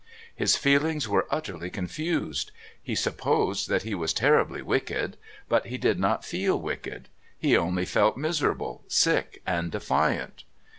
His feelings were utterly confused. He supposed that he was terribly wicked. But he did not feel wicked. He only felt miserable, sick and defiant.